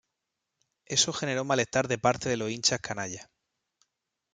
Eso generó malestar de parte de los hinchas canallas.